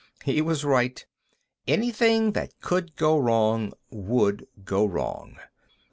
He was right; anything that could go wrong would go wrong.